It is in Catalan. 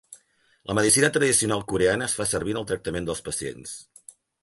La medicina tradicional coreana es fa servir en el tractament dels pacients.